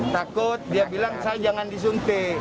takut dia bilang saya jangan disuntik